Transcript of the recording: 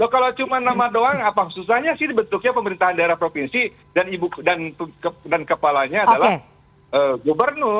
kalau cuma nama doang apa susahnya sih bentuknya pemerintahan daerah provinsi dan kepalanya adalah gubernur